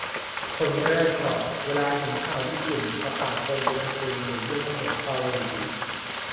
คนแรกตอบ "เวลาเห็นข่าวญี่ปุ่นประกาศตนเป็นศัตรู หรือยั่วโมโหเกาหลี"